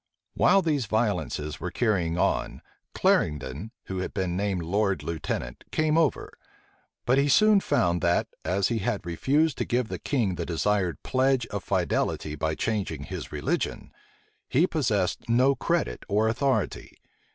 While these violences were carrying on, Clarendon, who had been named lord lieutenant, came over; but he soon found, that, as he had refused to give the king the desired pledge of fidelity by changing his religion, he possessed no credit or authority.